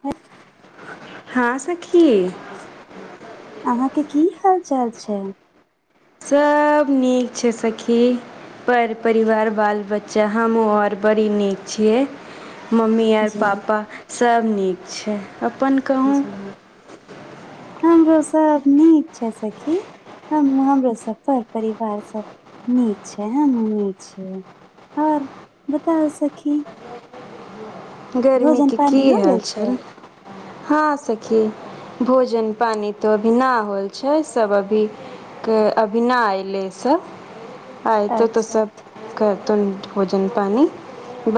ह [inaudible] हाॅं सखी अहाँके की हाल चाल छै सब नीक छै सखी पर परिवार बाल बच्चा हमुऔर बड़ी नीक छियै मम्मी आर जी पापा सब नीक छै अपन क हमरो सब नीक छै सखी हँ, हमहुॅं हमरो सभ पर परिवार सभ नीक छै। हमहुॅं नीक छियै। और बताउ सखी। गर्मी भोजन के की पानी हो हाल गेल छै चाल हँ सखी भोजन-पानी तऽ अभी ना होल छै, सभ अभी के अभिना अयलै स आयतौ तऽ अच्छा सब करतौ भोजन पानी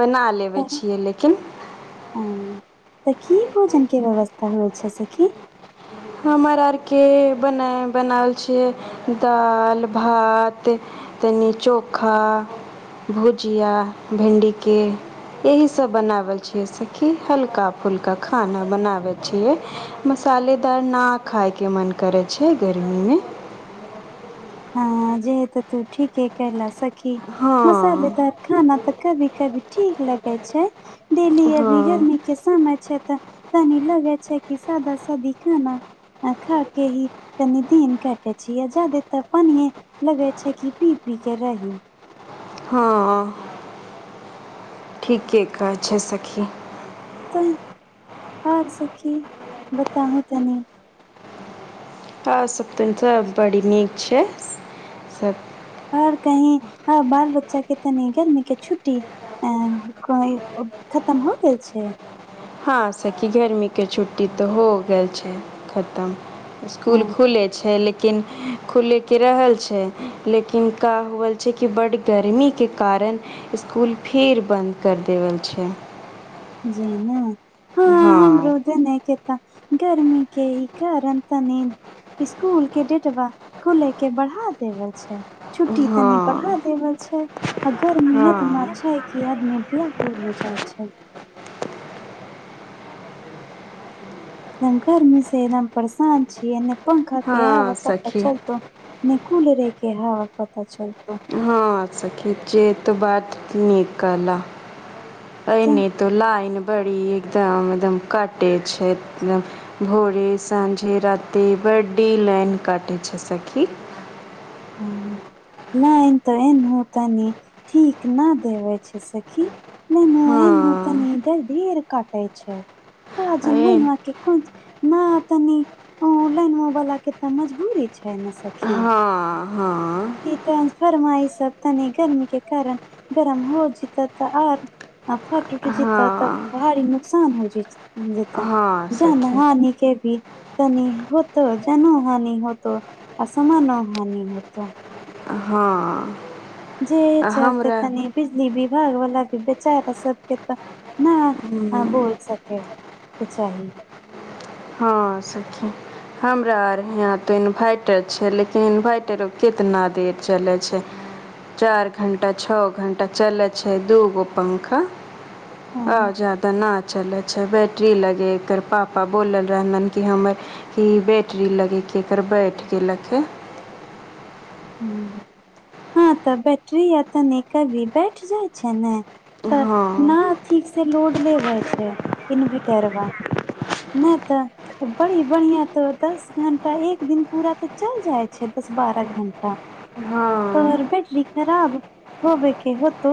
बना लेबै छियै लेकिन हुं तऽ की भोजन के व्यवस्था होइ छै, सखी? हमर आरके बना बनावल छियै दाल भात तनी चोखा-भुजिया भिंडी के। एसी सभ बनबल छियै, सखी। हल्का-फुल्का खाना बनाबै छियै। मसालेदार ना खायके मन करैत छै गर्मीमे हँ जे हैतै तू ठीके कैले सखी हँ मसालेदार खाना तऽ कभी कभी ठीक लगे छै डेली अभी हँ गर्मी के समय छै, तऽ तनी लगै छै की सादा-सादी खाना? आ खा केऽ ही तनि दिन काटै छियै, जादे तऽ पानिये लगै छै कि पी-पी केऽ रहि हँ ठीके कहै छै सखी तऽ आउर सखी बताउ तनी हँ सतप [unintelligible] सँ बड़ी नीक छै सब और कही आ बाल बच्चा के तनी गर्मी के छुटी अ खतम भऽ गेल छै। हँ सखी, गर्मीक छुट्टी तऽ हो गेल छै खतम इसकुल हँ खुले छै लेकिन के खुलैके रहल छै लेकिनका होल छै कि बड्ड गर्मीके कारण स्कुल फिर बंद कर देवल छै जेना हँ हमरूदे नहि कत गर्मीे के कारण तनी स्कूल के डेटबा खुले के बढ़ा देव छै छुट्टी तनी पढ़ा हँ देवल छै आ गर्मी एतना हँ छै की आदमी ब्याकुल हो जाइ छै गरमी छै परसान छी पंखा के आब हँ पता सखी चलत ने कुलरे के हवा पता चलतो हँ सखी छियै तऽ बात नीक कहलऽ अनी त लाइन बड़ी एकदम एकदम कटे छै एकदम भोरे साँझे रााते बर्डे लाइन काटै छै सखी हूँ लाइन ते एहो तनी ठीक न देवे छै सेखी हँ ढेर काटे छै क जन अइ महि के कोन न तनी ऑनलाइन मे वाला के त मजबूरी छै ने सखी हँ हँ ट्रानसफर्मा ई सब तनी गर्मी के कारण गरम हो जता तऽ आर आ फट उटि जेतह तऽ हँ भारी नुकसान हो जेत जेतह हँ जान सखी हानि के भी तनी होत जानो हानि होत अस मान हानि होत हँ जे चलते हमरा तनी बिजली विभाग वाला भी बेचारा सबके तऽ नहि ह बोल सकै त चाही हँ सखी हमरा आर यहाँ तऽ इन्भैटर छै लेकिन इन्भैटरो कितना देर चलै छै चारि घण्टा छओ घण्टा चलै छै दू गो पंखा आ हँ जदा न चलै छै बैटरी लगे एकर पापा बोलल रहलनि कि हमर कि बैटरी लगेके एकर बैठ गेलक हे [unintelligible] हँ तऽ बैटरी आ तनि कभी बैठ जाइ छै ने तऽ हँ न ठीक से लोड लेबै छै इन्वर्टर वा नहि तऽ बड़ी बढ़ियाँ तऽ दस घंटा एक दिन पूरा तऽ चलि जाइ छै दस बारह घण्टा हँ तोर बैटरी खराब होबके होत।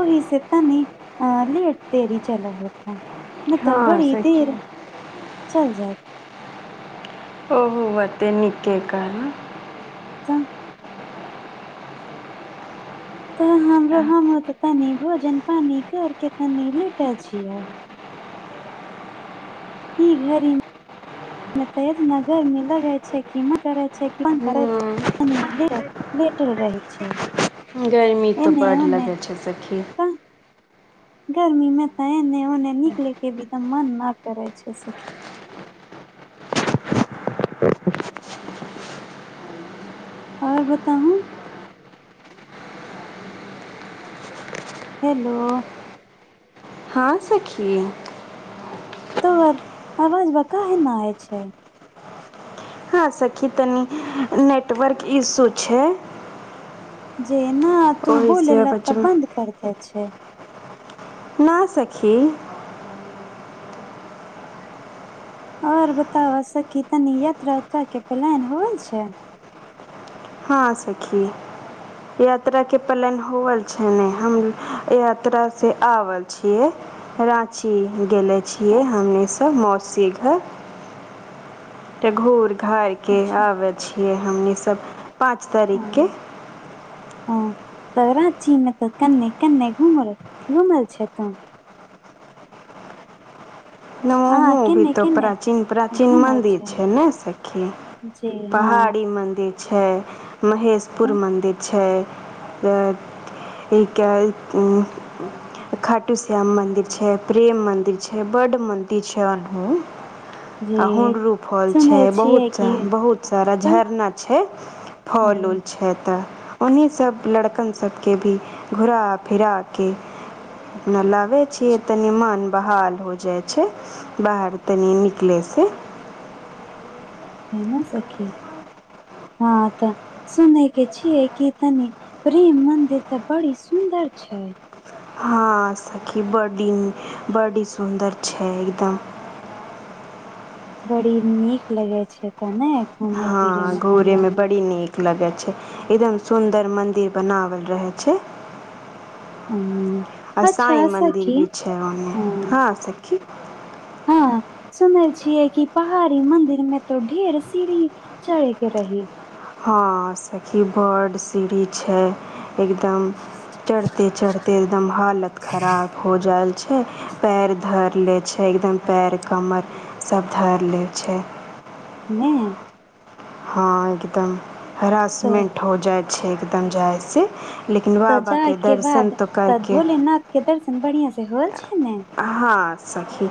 ओहि से तनी अ लेट देरी चला होता नहि तऽ हँ बड़ी सखी देर चल जाए ओहो ओते नीके कह त तऽ हमरो हम तनी भोजन पानी कर के तनी लेटे छियै ई घरी तेज नगर म लग [unintelligible] य छै कन करै छै कन करै हूँ ल [unintelligible] लेटल रहै छै गर्मी तऽ एने बड्ड ओने लगै छै सखी तऽ गर्मी मे तऽ ए ने ओने निकले के भी त मन न करै छै सुखी आओर बताहूँ हेलो हँ सखी तोहर आवाज बा काहे ना आय छै हँ सखी तनी नेटवर्क इशू छै जेना तू बोले ओहिसँ ल तऽ बचबू बंद कर दे छै न सखी आऔर बता सब की तनि यात्रा के प्लान होल छै हँ सखी यात्रा के पलन होल छै ने हम यात्रा से आवल छियै राँची गेले छियै अच्छा हमनीसभ मौसी घर घूर घार के अच्छा आबे छियै हमनी सब पाँच तारीख के हँ हँ तऽ राची मे तऽ कन्ने कन्ने घुमल घुमल छै तऽ ने आ ओहो भी केन्ने तो केन्ने प्राचीन प्राचीन मदिर छै ने सखी जी हँ पहाड़ी मन्दिर छै महेशपुर मन्दिर छै [unintelligible] खाटू श्याम मन्दिर छै प्रेम मन्दिर छै बड्ड मन्दिर छै अनहू जी आ हुडरू फल छै सुनै छियै बहुत कि बहुत सारा तऽ झरना छै फल उल जेना छै तऽ ओन्हहि सब लड़कन सबके भी घुरा फिरा के अपना लाबे छियै तनी मन बहाल हो जाय छै छै बाहर तनी निकलै से जेना सखी हँ तऽ सुने के छिये कि तनी प्रेम मदिर तऽ बड़ी सुन्दर छै हँ सखी बडी बडी सुन्दर छै एकदम बड़ी नीक लगै छै तने हँ घोड़े मे बड़ी नीक न लगे छै एकदम सुन्दर मंदिर बनावल रहे छै आ साईं अच्छा मन्दिर सखी भी छै ओ हँ सखी हँ सुन छियै कि पहाड़ी मंदिर में तो ढेर सीढ़ी चलिके रहि हँ सखी बड्ड सीढ़ी छै एकदम चढ़ते चढ़ते एकदम हालत खराब हो जयाल छै पैर धर ले एकदम पैर कमर सब धर ले छै नहि हँ एकदम तऽ हरासमेंट हो जाइ छै एकदम जायसँ तऽ जाय के बाद तऽ भोलेनाथ के दर्शन बढ़ियाँ से होल छै ने हँ सखी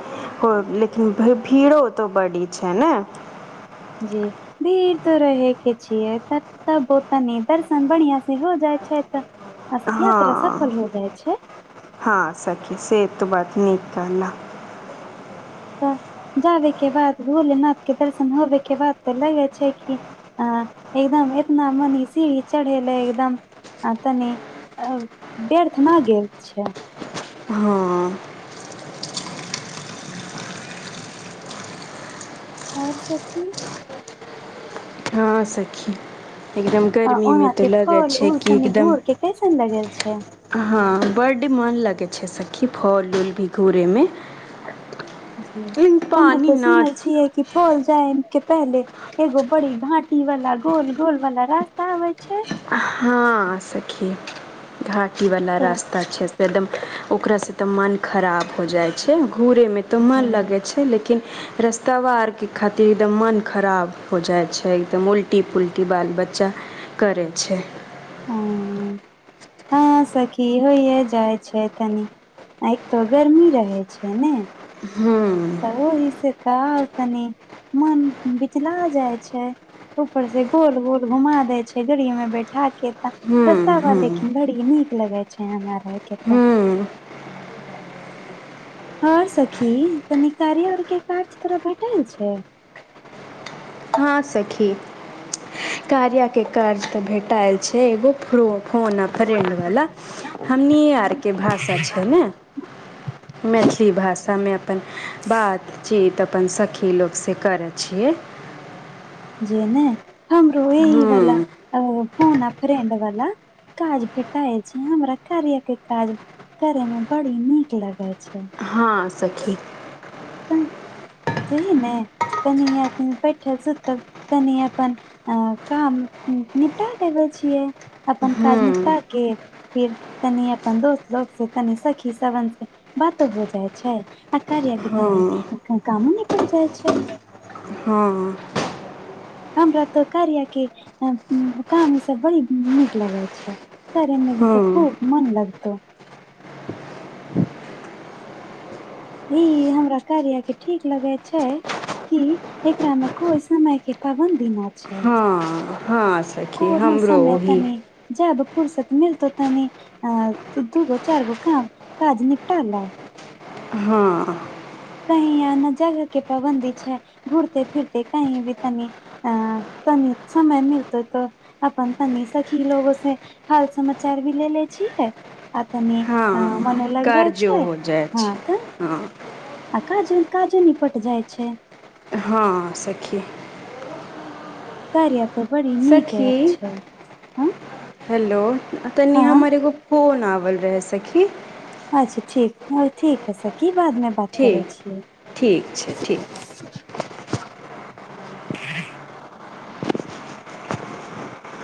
लेकिन भीड़ो तो बड़ी छै ने जी भीड़ तो रहेके छियै तऽ तऽ बोतनी दर्शन बढ़ियाँ से हो जाय छै तऽ अस्तिया त सफल हँ हो जाइ छै हँ सची सेत तऽ बात नीक कहल तऽ जाबे के बाद भोलेनाथ के दर्शन होबे के बाद तऽ लगे छै कि आ एकदम एतना मने सीढ़ी चढ़ेले एकदम आ तनि व्यर्थ ना गेल छै हँ आओर सखी हँ सखी एकदम आ गर्मीमे वहां के तऽ लगै फल छै उल कि तनी एकदम घोर के कैसन लगल छै हँ बड्ड मन लगै छै सखी फल उल भी घुरयमे जी हम्मे तऽ सुनै छियै की खोल जाय के पहले एगो बड़ी घाटी वाला गोल गोल वाला रास्ता आबे छै हँ सखी घाटी वाला रास्ता तऽ अच्छे से एकदम ओकरासँ तऽ मन खराब हो जाइ छै घूरेमे तऽ मन जे लगै छै लेकिन रास्तवा आरके खातिर एकदम मन खराब हो जाइ छै एकदम उल्टी पुलटी बाल बच्चा करै छै हँ सखी की होइय जाइ छै तनी आ एक त गर्मी रहे छै ने हूंम्म तऽ ओहि से तऽ आ तनी मन बिचला जाय छै ऊपर से गोल गोल घुमा दै छै गाड़ी मे बैठा के तऽ हूँ रस्ता बा हूँ लेकिन बड़ी ई नीक लगे छै हमरा। के तऽ हूंम्म हँ सखी कनी कार्या आर के काज तोरा भेटल छै हाँ सखी कार्याके काज तऽ भेटाएल छै एगो फोन फोन आ फ्रेंड वाला हमनिये आरके भाषा छै ने [inaudible] मैथिली भाषामे अपन बात जी तऽ अपन सखी लोकसँ करै छियै जे ने हमरो एहि वला हूँ फोन आ फ्रेंड वाला काज भेटाय छै हमरा कार्या के काज करे मे बड़ी नीक लगै छै हँ सखी जही नहि तनी बैठल सुतल तनी अपन काम निपटा देबै छियै अपन अपन काज निपटा हूँ के फिर तनी अपन दोस्त लोक से तनी सखी सवन से बातो हो जाइ छै आ कार्यके तनी हूँ कामो निपेट जाइ छै हँ हमरा तो कार्या के काम ई सब बड़ी नीक लगे छै करेमे भी तऽ हूँ खूब मन लगतौ ई हमरा ‌कार्या के ठीक लगे छै की एकरा मे कोइ समय के पाबन्दी न छै हँ हँ सखी कोनो हमरो समय ओही तनी जब फुरसत मिलतौ तने अ दू गो चार गो काम काज निपटाल ल हँ कही य ने जगह के पाबन्दी छै घूुरते फिरते कहीं भी तनी आ तनी समय मिलत तऽ अपन तनी शखी लोगो से हाल समाचार भी ले लै छीयै आ तनि हँ मनो लागि जाइ कर्जो छै हो जाइ हँ छै तऽ हँ आ काज काजो निपट जाइ छै हँ सखी कार्या तऽ बड़ी नीक सखी एप छै हँ हेलो तनी हँ हमर को फोन आबल रहै सखी अच्छा ठीक ह ठीक है सखी बाद मे बात करे ठीक छियै ठीक छै ठीक